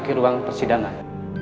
ambil dua perdipinan